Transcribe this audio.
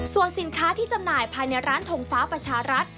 ส่วนสินค้าที่จำหน่ายภายในร้านทงฟ้าประชารัฐ